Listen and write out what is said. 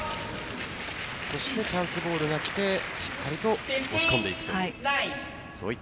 チャンスボールが来てしっかりと押し込んでいくという。